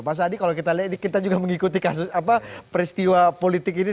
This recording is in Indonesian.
mas adi kalau kita lihat ini kita juga mengikuti kasus peristiwa politik ini